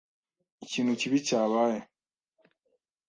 Ikintu kibi cyabaye.